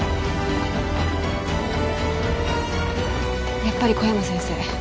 やっぱり小山先生